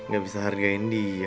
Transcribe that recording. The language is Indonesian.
gak bisa hargain dia